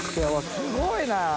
すごいな。